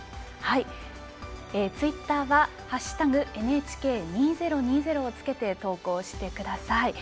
ツイッターは「＃ＮＨＫ２０２０」をつけて投稿してください。